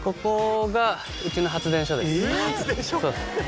発電所！？